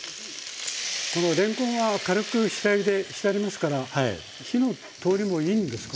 このれんこんは軽く下ゆでしてありますから火の通りもいいんですか？